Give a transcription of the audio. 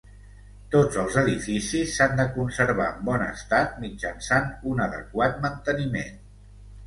Tots els edificis s'han de conservar en bon estat mitjançant un adequat manteniment.